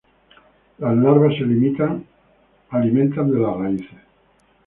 Las larvas se alimentan de las raíces.